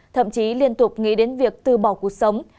thậm chí liên tục nghĩ đến việc tư bỏ cuộc sống